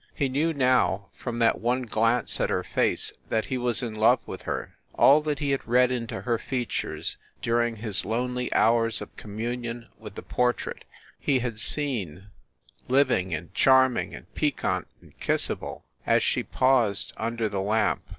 He knew, now, from that one glance at her face that he was in love with her. All that he had read into her features, during his lonely hours of com munion with the portrait, he had seen, living and charming and piquant and kissable, as she paused under the lamp.